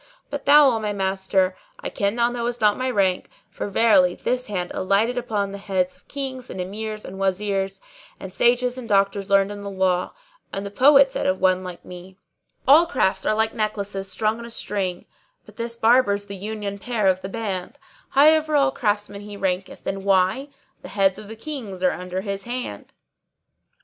But thou, O my master, I ken thou knowest not my rank; for verily this hand alighteth upon the heads of Kings and Emirs and Wazirs, and sages and doctors learned in the law, and the poet said of one like me:— All crafts are like necklaces strung on a string, * But this Barber's the union pearl of the band: High over all craftsmen he ranketh, and why? * The heads of the Kings are under his hand!"